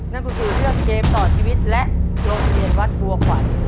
นั่นก็คือเรื่องเกมต่อชีวิตและโรงเรียนวัดบัวขวัญ